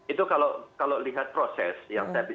itu kalau lihat proses yang saya bisa